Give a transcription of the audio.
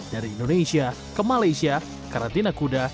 dari indonesia ke malaysia karena dina kuda